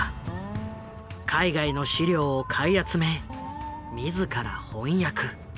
海外の資料を買い集め自ら翻訳。